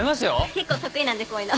結構得意なんでこういうの。